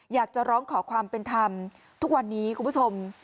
อยากจะร้องขอความเป็นธรรมทุกวันนี้คุณผู้ชม